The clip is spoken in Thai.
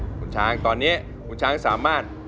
คุณช้างตอนนี้คุณช้างสามารถ